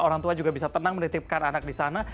orang tua juga bisa tenang menitipkan anak di sana